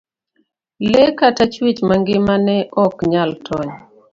lee kata chuech mangima ne ok nyal tony.